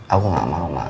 aku gak mau ma